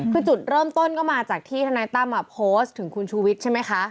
คือจุดเริ่มต้นก็มาจากที่ทนายตั้มโพสต์ถึงคุณชูวิทย์ใช่ไหมคะ